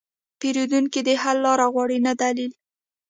پیرودونکی د حل لاره غواړي، نه دلیل.